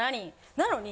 なのに。